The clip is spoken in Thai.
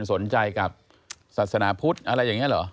สนใจกับศาสนาพุทธอะไรอย่างนี้เหรอ